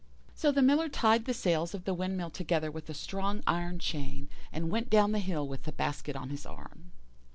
"So the Miller tied the sails of the windmill together with a strong iron chain, and went down the hill with the basket on his arm.